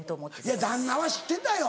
いや旦那は知ってたよ。